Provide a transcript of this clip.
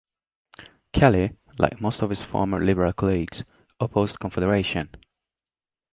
Kelly, like most of his former Liberal colleagues, opposed Confederation.